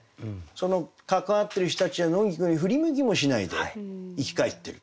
そのかかわってる人たちは野菊に振り向きもしないで行き交ってると。